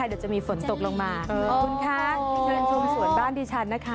เดี๋ยวจะมีฝนตกลงมาคุณคะเชิญชมสวนบ้านดิฉันนะคะ